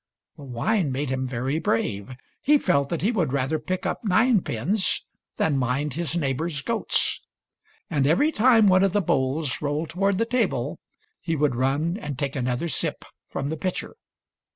The wine made him very brave. He felt that he would rather pick up ninepins than mind his neighbors' goats ; and every time one of the bowls rolled toward the table he would run and take another sip from the pitcher.